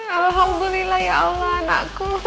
alhamdulillah ya allah anakku